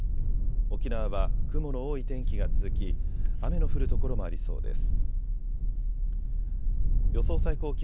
沖縄は雲の多い天気が続き雨の降る所もありそうです。